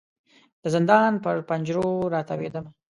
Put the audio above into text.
د زندان پر پنجرو را تاویدمه